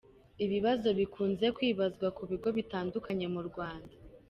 Ibibazo bikunze kwibazwa kubigo bitandunye m’u rwanda